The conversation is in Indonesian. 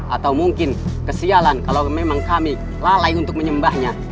atau mungkin kesialan kalau memang kami lalai untuk menyembahnya